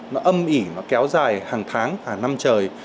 nó âm ỉ nó kéo dài hàng tháng hàng năm trời